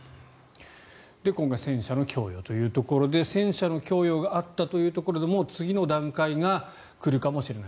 今回戦車の供与というところで戦車の供与があったというところで次の段階が来るかもしれない。